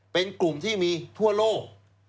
เป็นกลุ่มที่มีทั่วโลก